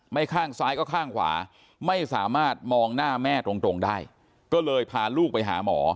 ข้างซ้ายก็ข้างขวาไม่สามารถมองหน้าแม่ตรงได้ก็เลยพาลูกไปหาหมอ